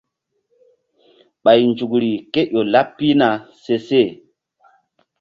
Ɓay nzukri ké ƴo laɓ pihna seseh.